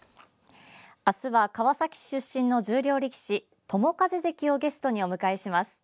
明日は川崎市出身の十両力士友風関をゲストにお迎えします。